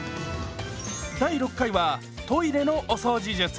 第６回はトイレのお掃除術。